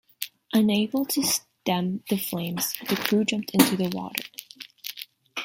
Unable to stem the flames, the crew jumped into the water.